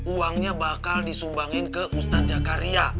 uangnya bakal disumbangin ke ustadz zakaria